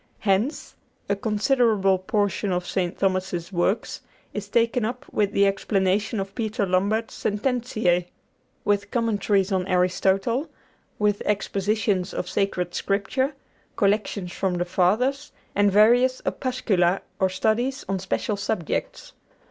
Hence, a considerable portion of St. Thomas's works is taken up with the explanation of Peter Lombard's 'Sententiæ,' with Commentaries on Aristotle, with Expositions of Sacred Scripture, collections from the Fathers, and various opuscula or studies on special subjects.